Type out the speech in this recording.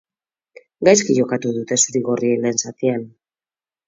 Gaizki jokatu dute zuri-gorriek lehen zatian.